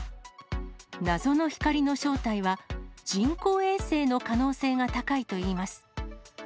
謎の光の正体は、人工衛星の可能性が高いといいます。